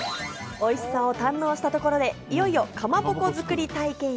おいしさを堪能したところで、いよいよかまぼこ作り体験へ。